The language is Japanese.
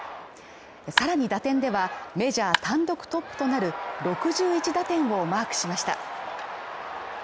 さらに打点ではメジャー単独トップとなる６１打点をマークしました。